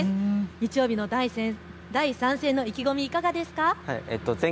日曜日の第３戦、意気込みはいかがですか。